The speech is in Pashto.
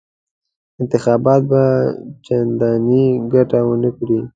انتخابات به چنداني ګټه ونه کړي.